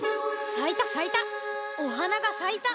さいたさいた。